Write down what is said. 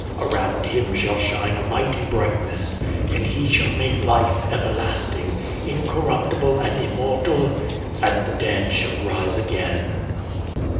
Around him shall shine a mighty brightness, and he shall make life everlasting, incorruptible, and immortal, and the dead shall rise again.'"